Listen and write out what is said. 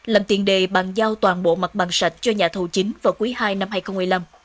làm tiền đề bằng giao toàn bộ mặt bằng sạch cho nhà thầu chính vào cuối hai năm hai nghìn một mươi năm